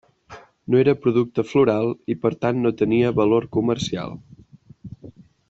No era producte floral, i per tant no tenia valor comercial.